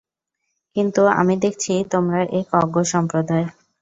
কিন্তু আমি দেখছি, তোমরা এক অজ্ঞ সম্প্রদায়।